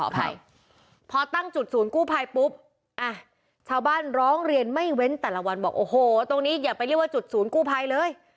อภัยพอตั้งจุดศูนย์กู้ภัยปุ๊บอ่ะชาวบ้านร้องเรียนไม่เว้นแต่ละวันบอกโอ้โหตรงนี้อย่าไปเรียกว่าจุดศูนย์กู้ภัยเลย